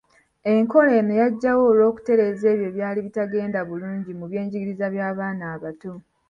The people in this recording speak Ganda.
Enkola eno yajjawo olw’okutereeza ebyo ebyali bitagenda bulungi mu by’enjigiriza by’abaana abato.